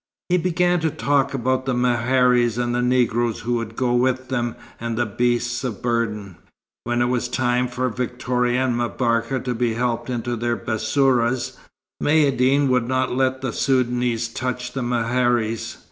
He began to talk about the meharis and the Negroes who would go with them and the beasts of burden. When it was time for Victoria and M'Barka to be helped into their bassourahs, Maïeddine would not let the Soudanese touch the meharis.